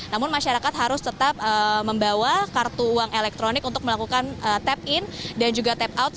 namun masyarakat harus tetap membawa kartu uang elektronik untuk melakukan tap in dan juga tap out